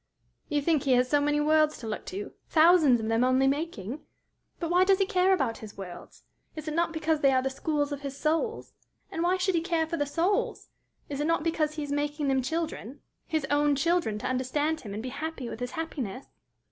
"You think he has so many worlds to look to thousands of them only making? But why does he care about his worlds? Is it not because they are the schools of his souls? And why should he care for the souls? Is it not because he is making them children his own children to understand him and be happy with his happiness?"